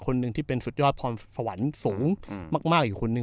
คนหนึ่งที่เป็นสุดยอดฝวนสูงมากอยู่คุณหนึ่ง